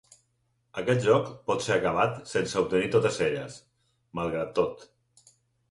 Aquest joc pot ser acabat sense obtenir totes elles, malgrat tot.